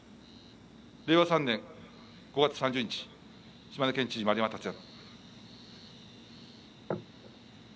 令和３年５月３０日島根県知事、丸山達也。